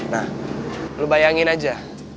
nah lo bayangin aja